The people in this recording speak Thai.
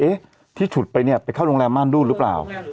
เอ๊ะที่ฉุดไปไปเข้าโรงแรมม่านรูดหรือเปล่า